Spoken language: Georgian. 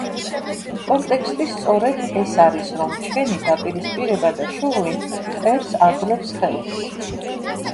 კონტექსტი სწორედ ეს არის, რომ ჩვენი დაპირისპირება და შუღლი მტერს აძლევს ხელს.